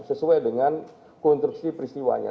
sesuai dengan konstruksi peristiwanya